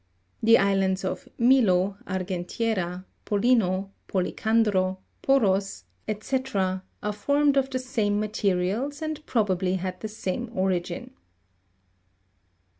The islands of Milo, Argentiera, Polino, Polican dro, Poros, &c., are formed of the same materials, and probably had the same origin.